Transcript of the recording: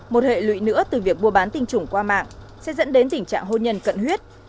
một hệ lụy nữa từ việc mua bán tinh trùng qua mạng sẽ dẫn đến tình trạng hôn nhân cận huyết